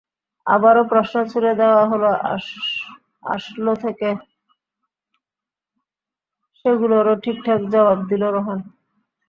আবারও প্রশ্ন ছুড়ে দেওয়া হলো অসলো থেকে, সেগুলোরও ঠিকঠাক জবাব দিল রোহান।